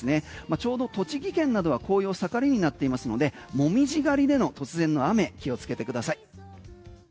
ちょうど栃木県などは紅葉盛りになっていますので紅葉狩りでの突然の雨気をつけてください。